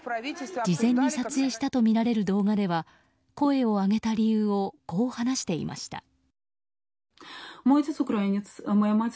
事前に撮影したとみられる動画では声を上げた理由をこう話していました。